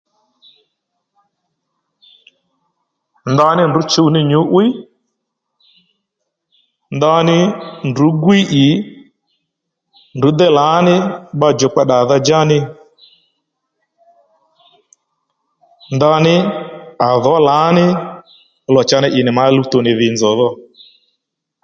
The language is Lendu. Ndaní ndrǔ chǔ ní nyǔ'wiy ndaní ndrǔ gwíy ì ndrǔ déy lǎní bba djùkpa ddàdha-djá ní ndaní à dhǒ lǎní lò cha ney ì nì mǎ luwtò nì dhì nzòw dho